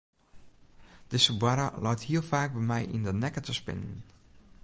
Dizze boarre leit hiel faak by my yn de nekke te spinnen.